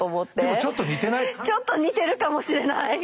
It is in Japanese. ちょっと似てるかもしれない。